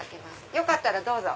よかったらどうぞ。